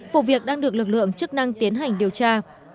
vụ việc đang được lực lượng chức năng tiến hành điều tra